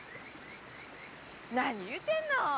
何言うてんの。